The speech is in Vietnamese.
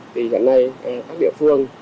thì hiện nay các địa phương